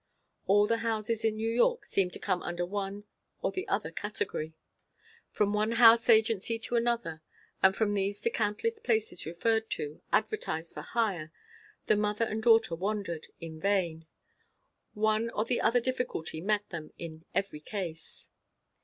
All the houses in New York seemed to come under one or the other category. From one house agency to another, and from these to countless places referred to, advertised for hire, the mother and daughter wandered; in vain. One or the other difficulty met them in every case.